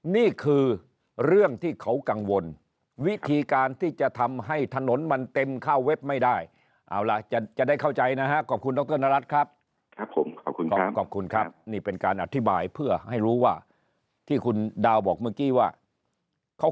นี่เป็นการอธิบายเพื่อให้รู้ว่าที่คุณดาวบอกเมื่อกี้ว่าเขา